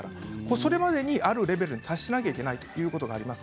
それまでにあるレベルに達しなければいけないということがあります。